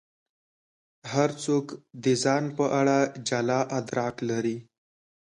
هر څوک د ځان په اړه جلا ادراک لري.